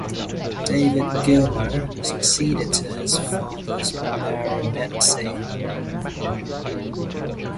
David Gilmour, succeeded to his father's baronetcy.